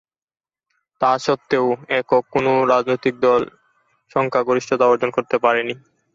তা সত্ত্বেও একক কোন রাজনৈতিক দল সংখ্যাগরিষ্ঠতা অর্জন করতে পারেনি।